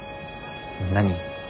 何？